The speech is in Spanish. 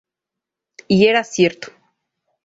Y era cierto.